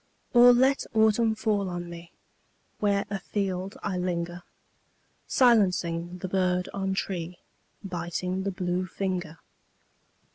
Or let autumn fall on me Where afield I linger, Silencing the bird on tree, Biting the blue finger.